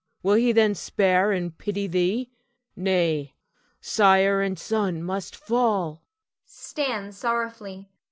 Will he then spare and pity thee? Nay, sire and son must fall! [_Stands sorrowfully.